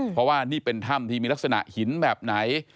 เพราะว่านี่เป็นถ้ำที่มีลักษณะหินแบบไหน